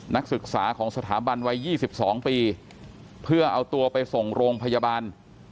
นักศึกษาของสถาบันวัย๒๒ปีเพื่อเอาตัวไปส่งโรงพยาบาล